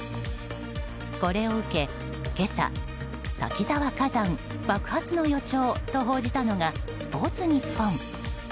これを受け、今朝「滝沢火山、爆発の予兆」と報じたのがスポーツニッポン。